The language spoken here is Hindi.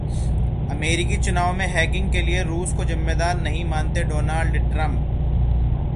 अमेरिकी चुनाव में हैकिंग के लिए रूस को जिम्मेदार नहीं मानते डोनाल्ड ट्रंप